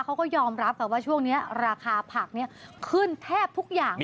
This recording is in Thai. เขาก็ยอมรับว่าช่วงนี้ราคาผักขึ้นแทบทุกอย่าง